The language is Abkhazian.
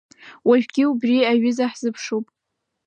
Уажәгьы убри аҩыза ҳзыԥшуп.